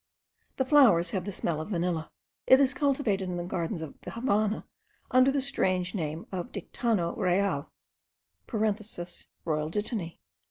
The flowers have the smell of vanilla. It is cultivated in the gardens of the Havannah under the strange name of the dictanno real (royal dittany).)